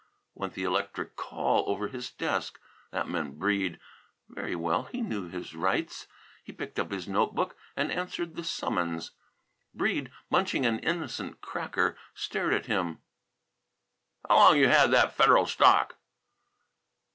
went the electric call over his desk. That meant Breede. Very well; he knew his rights. He picked up his note book and answered the summons. Breede, munching an innocent cracker, stared at him. "How long you had that Federal stock?"